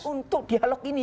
untuk dialog ini